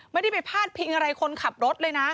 ไม่ได้ไปพาดพิงอะไรคนขับรถเลยนะ